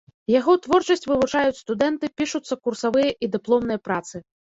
Яго творчасць вывучаюць студэнты, пішуцца курсавыя і дыпломныя працы.